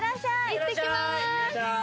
行ってきます。